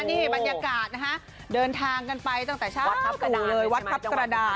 นี่บรรยากาศนะคะเดินทางกันไปตั้งแต่เช้ากันเลยวัดทัพกระดาน